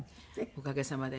おかげさまで。